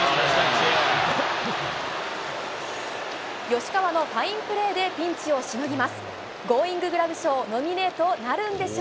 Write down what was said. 吉川のファインプレーでピンチをしのぎます。